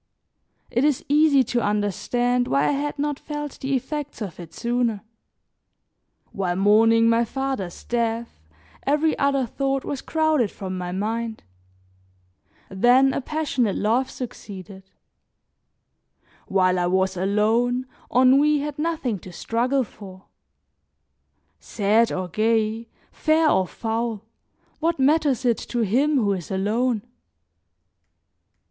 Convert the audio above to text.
It is easy to understand why I had not felt the effects of it sooner. While mourning my father's death, every other thought was crowded from my mind. Then a passionate love succeeded; while I was alone, ennui had nothing to struggle for. Sad or gay, fair or foul, what matters it to him who is alone?